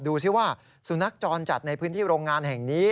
ดูสิว่าสุนัขจรจัดในพื้นที่โรงงานแห่งนี้